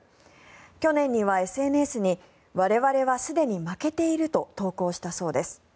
去年にはＳＮＳに我々はすでに負けていると投稿したそうです。